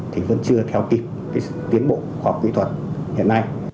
thì vẫn chưa theo kịp cái tiến bộ khoa học kỹ thuật hiện nay